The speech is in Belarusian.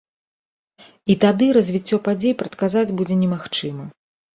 І тады развіццё падзей прадказаць будзе немагчыма.